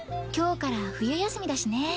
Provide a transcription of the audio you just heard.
今日から冬休みだしね。